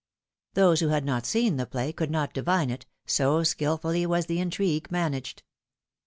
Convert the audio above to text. Those who had not seen the pla}" could not divine it, so skilfully was the intrigue managed.